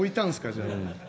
じゃあ。